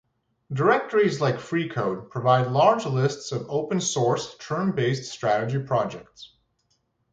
Directories like Freecode provide large lists of open-source, turn-based strategy projects.